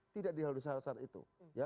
tidak didahului syarat syarat itu